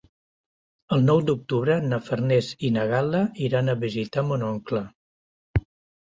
El nou d'octubre na Farners i na Gal·la iran a visitar mon oncle.